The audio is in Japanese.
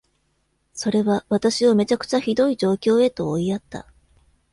それは私をめちゃくちゃひどい状況へと追いやった。